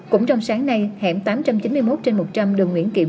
cũng trong sáng nay hẻm tám trăm chín mươi một trên một trăm linh đường nguyễn kiệm